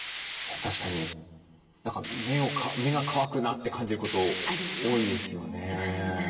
確かに目が乾くなって感じること多いですよね。